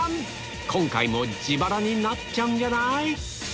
今回も自腹になっちゃうんじゃない？